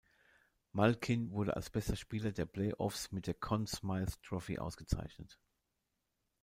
Malkin wurde als bester Spieler der Playoffs mit der Conn Smythe Trophy ausgezeichnet.